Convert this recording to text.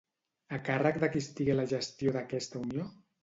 A càrrec de qui estigué la gestió d'aquesta unió?